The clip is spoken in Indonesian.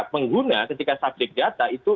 pengguna ketika subjek data itu